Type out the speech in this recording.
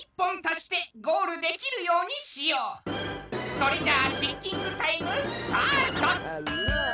それじゃあシンキングタイムスタート！